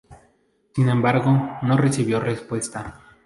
Sin embargo, no recibió respuesta.